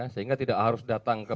sehingga tidak harus datang ke